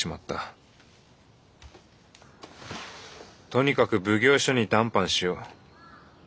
とにかく奉行所に談判しよう。